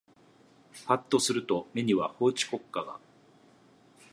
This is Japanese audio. はっとすると目には法治国家が